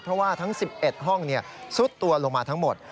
เพราะว่าทั้ง๑๑ห้องซุดตัวลงมาทั้งหมด